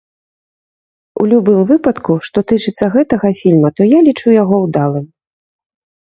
У любым выпадку, што тычыцца гэтага фільма, то я лічу яго ўдалым.